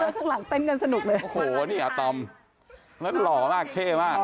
ข้างหลังเต้นกันสนุกเลยโอ้โหนี่อาตอมแล้วหล่อมากเท่มาก